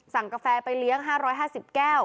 กาแฟไปเลี้ยง๕๕๐แก้ว